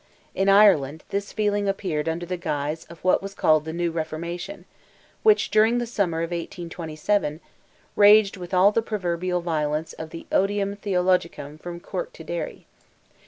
In Ireland, this feeling appeared under the guise of what was called "the New Reformation," which, during the summer of 1827, raged with all the proverbial violence of the odium theologicum from Cork to Derry.